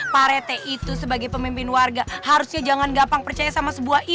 pak rete itu sebagai pemimpin warga harusnya jangan gampang percaya sama sebuah